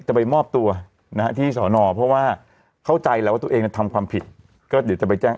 จะไปมอบตัวนะฮะที่สอนอเพราะว่าเข้าใจแล้วว่าตัวเองทำความผิดก็เดี๋ยวจะไปแจ้ง